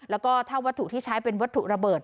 แล้วก็ถ้าวัตถุที่ใช้เป็นวัตถุระเบิด